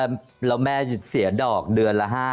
อย่างสมมตินะว่าเราแม่เสียดอกเดือนละห้ามื่น